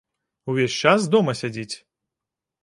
Увесь час дома сядзяць.